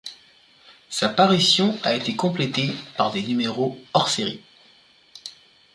Sa parution a été complétée par des numéros hors-série.